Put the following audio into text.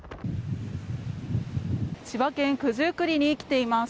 九十九里に来ています。